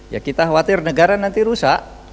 ya kita khawatir negara nanti rusak